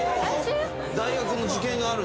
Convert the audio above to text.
大学の受験がある。